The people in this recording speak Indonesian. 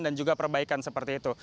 dan juga perbaikan seperti itu